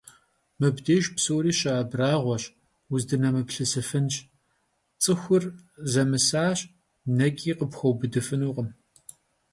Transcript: Mıbdêjj psori şıabragueş, vuzdınemıplhısıfınş: ts'ıxur zemısaş, neç'i khıpxueubıdıfınukhım.